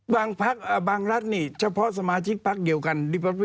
บางรัฐนี่เฉพาะสมาชิกพักเดียวกัน